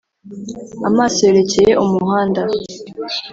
Amaso yerekeye umuhanda